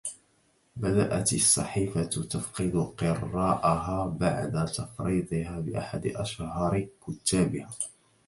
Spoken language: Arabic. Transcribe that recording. بدأت الصحيفة تفقد قراءها بعد تفريطها بأحد أشهر كتابها.